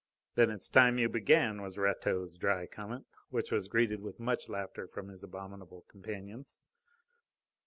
"Then it's time you began," was Rateau's dry comment, which was greeted with much laughter from his abominable companions.